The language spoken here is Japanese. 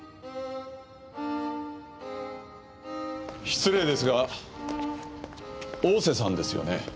失礼ですが大瀬さんですよね？